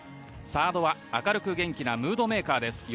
サードは明るく元気なムードメーカーです